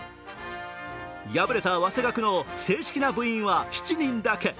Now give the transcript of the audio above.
敗れたわせがくの正式な部員は７人だけ。